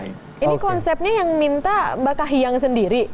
ini konsepnya yang minta mbak kahiyang sendiri